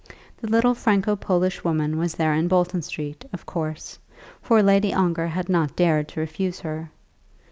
The little Franco Polish woman was there in Bolton Street, of course, for Lady Ongar had not dared to refuse her.